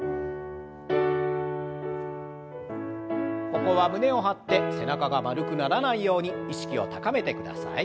ここは胸を張って背中が丸くならないように意識を高めてください。